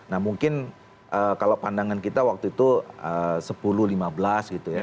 nah mungkin kalau pandangan kita waktu itu sepuluh lima belas gitu ya